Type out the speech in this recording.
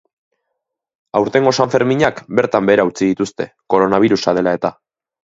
Aurtengo sanferminak bertan behera utzi dituzte, koronabirusa dela-eta.